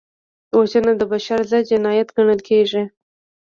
وژنه د بشر ضد جنایت ګڼل کېږي